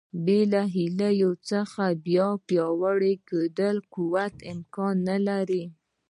بې له هیلو څخه بیا پیاوړتیا او قوت امکان نه لري.